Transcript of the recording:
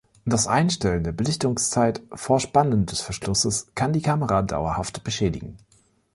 Das Einstellen der Belichtungszeit vor Spannen des Verschlusses kann die Kamera dauerhaft beschädigen.